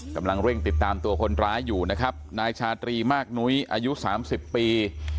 กำลังเร่งติดตามตัวคนร้ายอยู่นะครับนายชาตรีมากนุ้ยอายุสามสิบปี